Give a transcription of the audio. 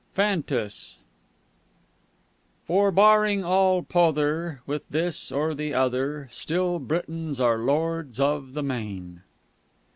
PHANTAS _"For, barring all pother, With this, or the other, Still Britons are Lords of the Main.